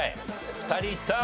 ２人いった。